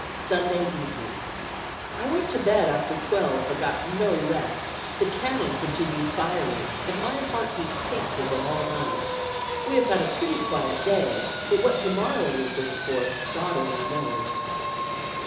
Sunday evening. "I went to bed after twelve, but got no rest; the cannon continued firing, and my heart beat pace with them all night. We have had a pretty quiet day, but what tomorrow will bring forth, God only knows."